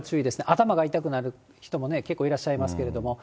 頭が痛くなる人も結構いらっしゃいますけれども。